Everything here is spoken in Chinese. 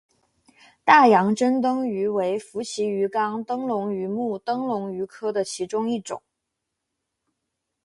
大洋珍灯鱼为辐鳍鱼纲灯笼鱼目灯笼鱼科的其中一种。